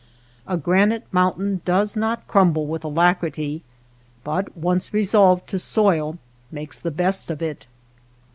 A granite mountain does not crumble with alacrity, but once resolved to soil makes the best of it.